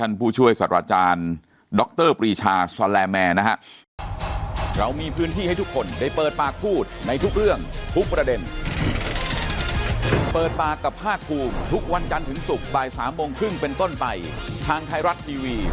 ท่านผู้ช่วยสวัสดิ์อาจารย์ดรปรีชาซัลแลแมนนะครับ